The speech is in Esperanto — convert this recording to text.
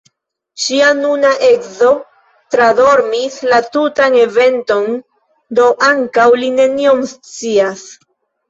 Ŝia nuna edzo tradormis la tutan eventon, do ankaŭ li nenion scias.